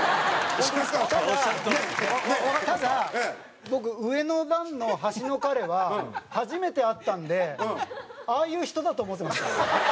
ただ僕上の段の端の彼は初めて会ったんでああいう人だと思ってました。